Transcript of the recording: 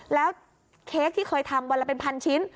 แล้วเค้กที่เคยทำวันละเป็นพันชิ้น